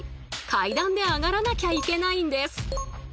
階段で上がらなきゃいけないんです！